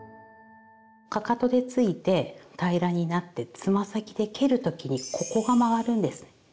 かかとでついて平らになってつま先で蹴る時にここが曲がるんです。